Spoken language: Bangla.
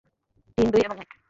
তিন, দুই এবং এক!